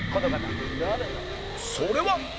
それは